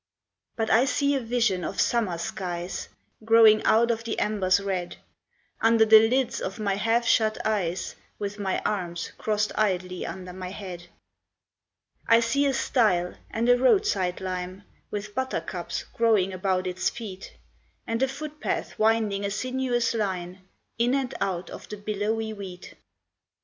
But I see a vision of summer skies Growing out of the embers red, Under the lids of my half shut eyes, With my arms crossed idly under my head. I see a stile, and a roadside lime, With buttercups growing about its feet, And a footpath winding a sinuous line In and out of the billowy wheat.